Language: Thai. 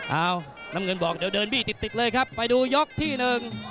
เอาน้ำเงินบอกเดี๋ยวเดินบี้ติดติดเลยครับไปดูยกที่หนึ่ง